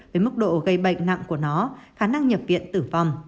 với mức độ gây bệnh nặng của nó khả năng nhập viện tử vong